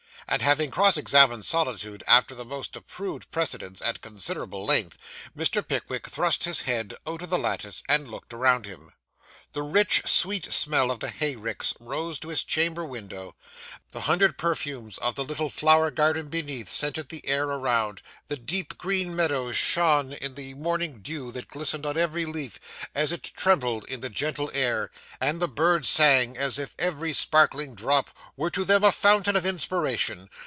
and, having cross examined solitude after the most approved precedents, at considerable length, Mr. Pickwick thrust his head out of the lattice and looked around him. The rich, sweet smell of the hay ricks rose to his chamber window; the hundred perfumes of the little flower garden beneath scented the air around; the deep green meadows shone in the morning dew that glistened on every leaf as it trembled in the gentle air; and the birds sang as if every sparkling drop were to them a fountain of inspiration.